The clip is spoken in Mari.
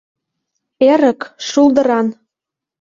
Эрык — шулдыран.